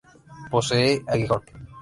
Posee aguijón.